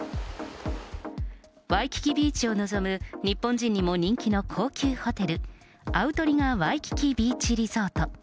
ワイキキビーチを臨む日本人にも人気の高級ホテル、アウトリガー・ワイキキビーチ・リゾート。